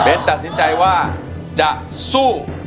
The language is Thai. เป็นตัดสินใจว่าจะสู้